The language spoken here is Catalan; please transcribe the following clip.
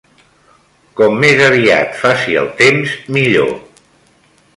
Com més aviat faci el temps, millor.